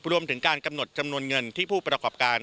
รวมถึงการกำหนดจำนวนเงินที่ผู้ประกอบการ